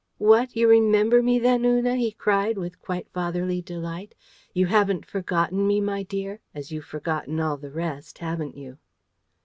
"What, you remember me then, Una!" he cried, with quite fatherly delight. "You haven't forgotten me, my dear, as you've forgotten all the rest, haven't you?"